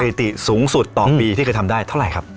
ถิติสูงสุดต่อปีที่เคยทำได้เท่าไหร่ครับ